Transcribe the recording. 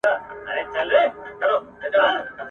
نسکور وېشي جامونه نن مغان په باور نه دی ..